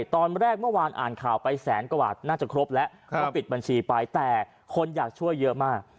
ตอนแรกเมื่อวานอ่านข่าวไปแสนกว่าบาทน่าจะครบแล้วก็ปิดบัญชีไปแต่คนอยากช่วยเยอะมาก